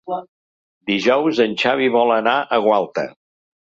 Dijous en Xavi vol anar a Gualta.